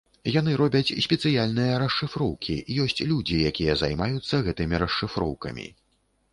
Яны робяць спецыяльныя расшыфроўкі, ёсць людзі, якія займаюцца гэтымі расшыфроўкамі.